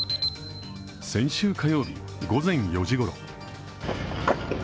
先週火曜日午前４時ごろ。